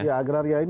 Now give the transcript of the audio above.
iya agraria ini